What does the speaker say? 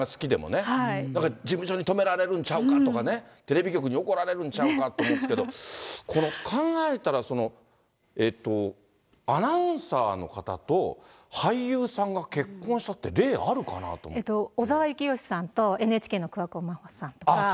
事務所に止められるんちゃうかとかね、テレビ局に怒られるんちゃうかと思いますけど、考えたらアナウンサーの方と俳優さんが結婚したって、例あるかなえっと、小澤征悦さんとＮＨＫの桑子まほさんが。